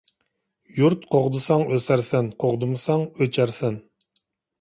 يۇرت قوغدىساڭ ئۆسەرسەن . قوغدىمىساڭ ئۆچەرسەن.